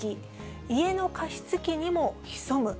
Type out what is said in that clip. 家の加湿器にも潜む。